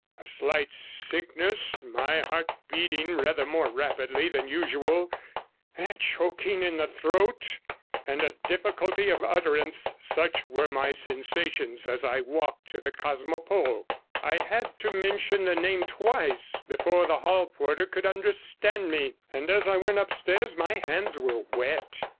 A slight sickness, my heart beating rather more rapidly than usual, a choking in the throat, and a difficulty of utterance; such were my sensations as I walked to the Cosmopole; I had to mention the name twice before the hall porter could understand me, and as I went upstairs my hands were wet.